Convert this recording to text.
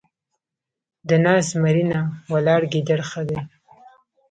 ـ د ناست زمري نه ، ولاړ ګيدړ ښه دی.